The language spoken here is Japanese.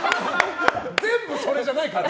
全部それじゃないから。